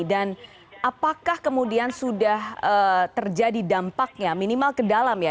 dan apakah kemudian sudah terjadi dampaknya minimal ke dalam ya